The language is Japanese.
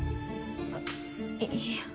あっいいや。